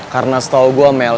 karena setau gue mel